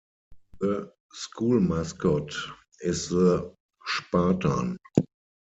The school mascot is the 'Spartan'.